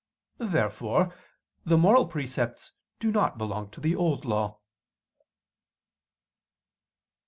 Therefore the moral precepts do not belong to the Old Law.